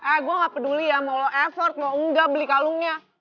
eh gue gak peduli ya mau lo effort mau enggak beli kalungnya